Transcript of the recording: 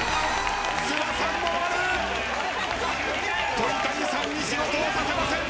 鳥谷さんに仕事をさせません。